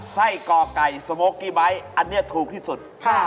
ไส้ก่อไก่สโมกกี้ไบท์อันนี้ถูกที่สุด